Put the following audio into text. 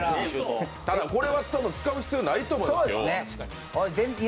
ただ、これは使う必要ないと思いますよ。